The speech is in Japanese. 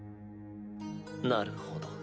なるほど。